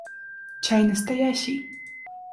Чай настоящий!